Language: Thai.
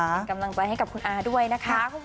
เป็นกำลังใจให้กับคุณอาด้วยนะคะ